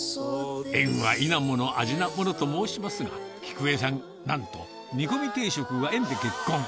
縁はいなもの、あじなものと申しますが、喜久江さん、なんと煮込み定食が縁で結婚。